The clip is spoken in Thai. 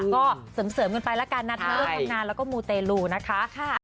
ก็เสริมกันไปแล้วกันนะทั้งเรื่องทำงานแล้วก็มูเตลูนะคะ